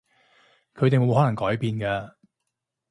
佢哋冇可能會改變㗎